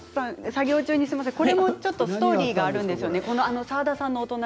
これもストーリーがあるんですよね？